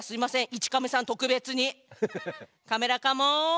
１カメさん特別に。カメラカモーン。